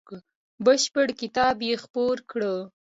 بشپړ کتاب یې خپور کړ.